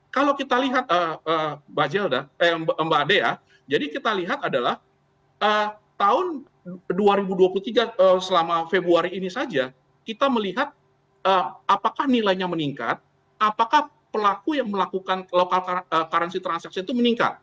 kalau kita lihat mbak jelda mbak dea jadi kita lihat adalah tahun dua ribu dua puluh tiga selama februari ini saja kita melihat apakah nilainya meningkat apakah pelaku yang melakukan local currency transaction itu meningkat